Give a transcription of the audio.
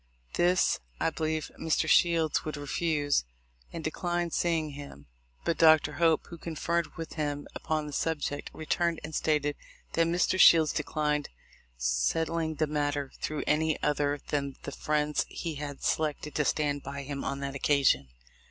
This I believed Mr. Shields would refuse, and de clined seeing him; but Dr. Hope, who conferred with him upon the subject, returned and stated that THE LIFE OF LINCOLN. 247 Mr. Shields declined settling the matter through any other than the friends he had selected to stand by him on that occasion.